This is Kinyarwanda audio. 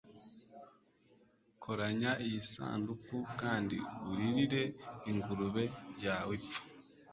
koranya iyi sanduku kandi uririre ingurube yawe ipfa